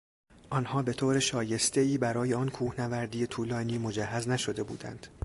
آنها به طور شایستهایبرای آن کوهنوردی طولانی مجهز نشده بودند.